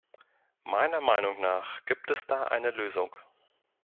Meiner Meinung nach gibt es da eine Lösung.